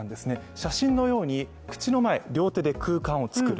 写真のように、口の前、両手で空間を作る。